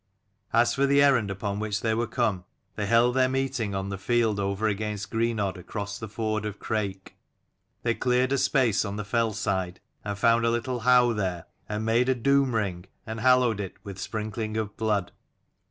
As for the errand upon which they were come, they held their meeting on the field over against Greenodd across the ford of Crake. They cleared a space on the fell side, and found a little howe there, and made a doom ring and hallowed it with sprinkling of blood.